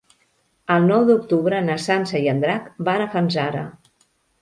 El nou d'octubre na Sança i en Drac van a Fanzara.